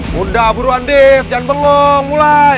bunda buruan d jangan peluk mulai